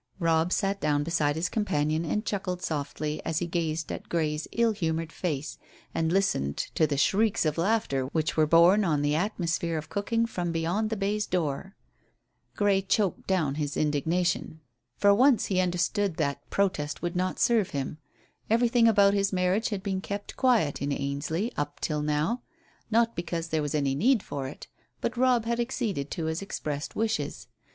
Robb sat down beside his companion and chuckled softly as he gazed at Grey's ill humoured face, and listened to the shrieks of laughter which were borne on the atmosphere of cooking from beyond the baize door. Grey choked down his indignation. For once he understood that protest would not serve him. Everything about his marriage had been kept quiet in Ainsley up till now, not because there was any need for it, but Robb had acceded to his expressed wishes.